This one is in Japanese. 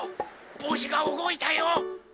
ぼうしがうごいたよ！